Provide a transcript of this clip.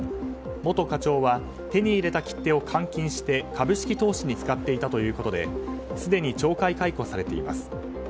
元課長は、手に入れた切手を換金して、株式投資に使っていたということですでに懲戒解雇されています。